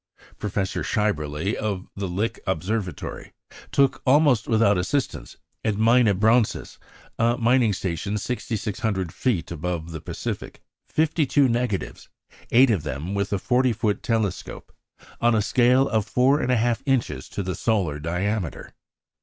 Professor Schaeberle, of the Lick Observatory, took, almost without assistance, at Mina Bronces, a mining station 6,600 feet above the Pacific, fifty two negatives, eight of them with a forty foot telescope, on a scale of four and a half inches to the solar diameter.